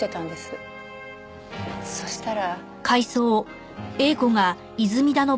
そしたら。